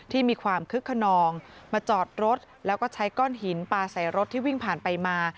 ที่มีความคึกขนองมาจอดรถแล้วก็ใช้ก้อนหินปลาใส่รถที่วิ่งผ่านไปมา